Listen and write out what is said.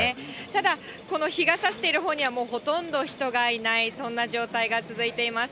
ただ、この日がさしているほうにはもうほとんど人がいない、そんな状態が続いています。